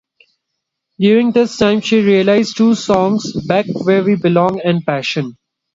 During this time, she released two songs: "Back Where We Belong" and "Passion".